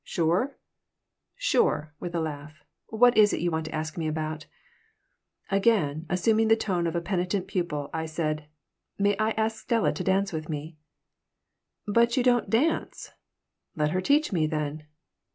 "Sure?" "Sure," with a laugh. "What is it you want to ask me about?" And again assuming the tone of a penitent pupil, I said, "May I ask Stella to dance with me?" "But you don't dance." "Let her teach me, then."